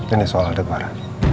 ini soal adeg bara